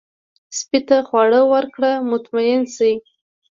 سپي ته خواړه ورکړه، مطمئن شي.